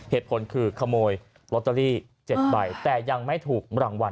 เหตุผลคือขโมยลอตเตอรี่๗ใบแต่ยังไม่ถูกรางวัล